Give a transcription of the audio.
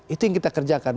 itu yang kita kerjakan